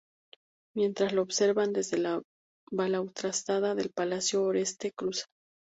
Mientras lo observan desde la balaustrada del palacio, Orestes cruza.